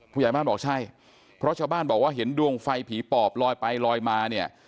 ผู้ใหญ่บ้านบอกใช่เพราะชาวบ้านบอกว่าเห็นดวงไฟผีปอบลอยไปลอยมาเนี่ย